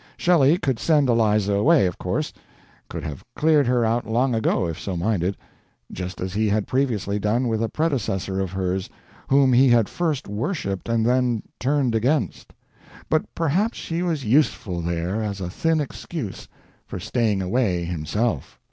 Shelley could send Eliza away, of course; could have cleared her out long ago if so minded, just as he had previously done with a predecessor of hers whom he had first worshiped and then turned against; but perhaps she was useful there as a thin excuse for staying away himself.